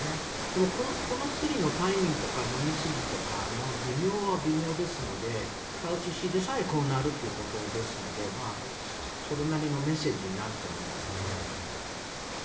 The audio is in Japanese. でも、この薬のタイミングとか飲みすぎとか微妙は微妙ですのでファウチ氏でさえこうなるということですのでそれなりのメッセージになると思いますね。